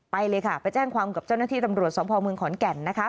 ไปเลยค่ะไปแจ้งความกับเจ้าหน้าที่ตำรวจสมภาวเมืองขอนแก่นนะคะ